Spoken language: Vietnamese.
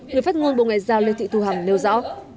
người phát ngôn bộ ngoại giao lê thị thu hằng nêu rõ